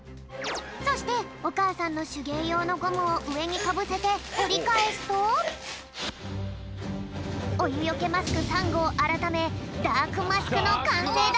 そしておかあさんのしゅげいようのゴムをうえにかぶせておりかえすとおゆよけマスク３ごうあらためダークマスクのかんせいだ